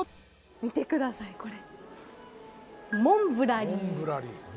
見てください、これ。